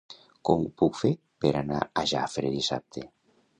Com ho puc fer per anar a Jafre dissabte?